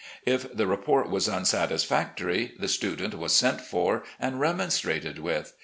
If the report was unsatisfactory, the student ■was sent for and remonstrated with.